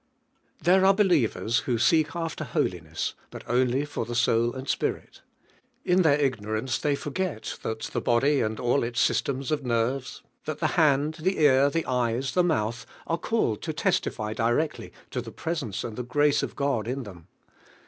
There are believers who seek after hol iness, but only for the soul and spirit. In their ignorance they forget that the body and all its systems of nerves; that the hand, the ear, the eyes, the mouth are called to testify directly to the presence and the grace of God in them.